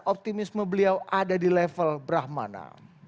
optimisme beliau ada di level brahmana